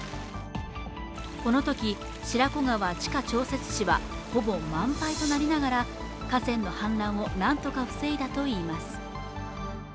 このとき白子川地下調整池はほぼ満杯となりながら河川の氾濫を何とか防いだといいます。